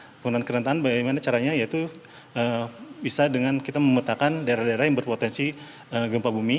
pembangunan kerentahan bagaimana caranya yaitu bisa dengan kita memetakan daerah daerah yang berpotensi gempa bumi